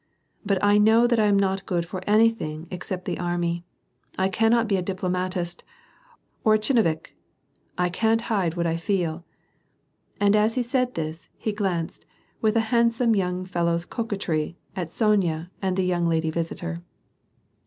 But I know that I am not good for anything except the army ; I cajiuiot be a diplomatist or a chinovnik, I can't hide what I feel," • and as he said this, he glanced, with a handsome young fel low's coquetry, at Sony a atid the young lady visitor.